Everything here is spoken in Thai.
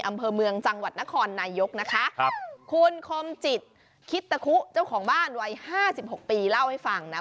อำเภอเมืองจังหวัดนครนายกคุณคมจิตคิดตะคุเจ้าของบ้านวัย๕๖ปีเล่าให้ฟังนะ